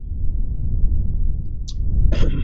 তিনি মূলত একজন উইঙ্গার হিসেবে খেলেন।